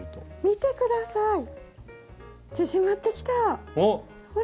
見て下さい縮まってきたほら！